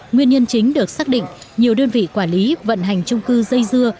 nguyên nhân chính được xác định nhiều đơn vị quản lý vận hành trung cư dây dưa